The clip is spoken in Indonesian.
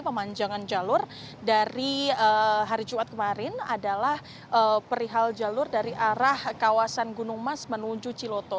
pemanjangan jalur dari hari jumat kemarin adalah perihal jalur dari arah kawasan gunung mas menuju ciloto